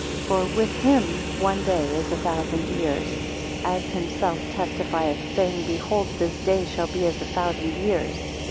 5 For with him one day is a thousand years; as himself testifieth, saying, Behold this day shall be as a thousand years.